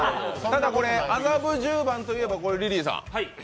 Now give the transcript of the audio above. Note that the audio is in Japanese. これ麻布十番といえばリリーさん。